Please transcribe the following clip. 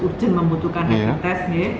urgent membutuhkan rapi tes